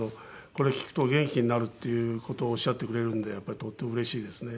これ聴くと元気になるっていう事をおっしゃってくれるんでとてもうれしいですね。